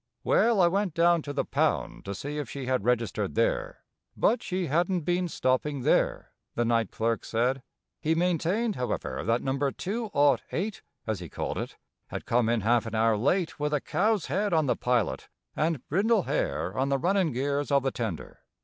Well, I went down to the pound to see if she had registered there, but she hadn't been stopping there, the night clerk said. He maintained, however, that "number two aught eight" as he called it had come in half an hour late with a cow's head on the pilot and brindle hair on the runnin' gears of the tender.